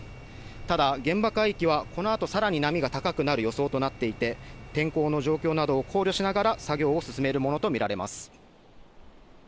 ただ、現場海域はこの後、さらに波が高くなる予想となっていて天候の状況などを考慮しながら作業を進めるものとみられます。